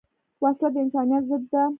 وسله د انسانیت ضد ده